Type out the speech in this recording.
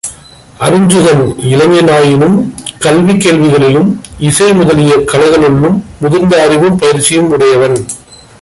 அருஞ்சுகன் இளைஞனாயினும் கல்வி கேள்விகளிலும் இசை முதலிய கலைகளுள்ளும் முதிர்ந்த அறிவும் பயிற்சியும் உடையவன்.